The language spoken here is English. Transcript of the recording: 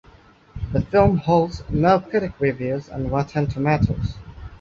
The film holds no critic reviews on Rotten Tomatoes.